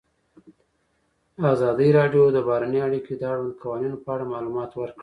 ازادي راډیو د بهرنۍ اړیکې د اړونده قوانینو په اړه معلومات ورکړي.